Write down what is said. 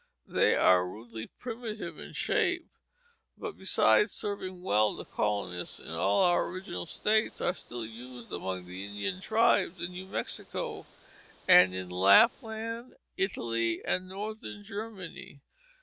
They are rudely primitive in shape, but besides serving well the colonists in all our original states, are still in use among the Indian tribes in New Mexico and in Lapland, Italy, and northern Germany.